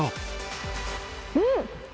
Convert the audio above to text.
うん！